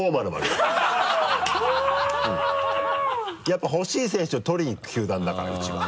やっぱ欲しい選手を取りに行く球団だからウチは。